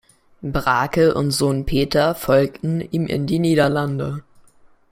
Brake und Sohn Peter folgten ihm in die Niederlande.